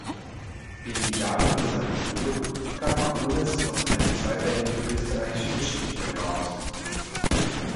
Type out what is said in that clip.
Wenige Jahre vor seinem Tod gab Krones noch eine zweibändige "Österreichische Geschichte" heraus.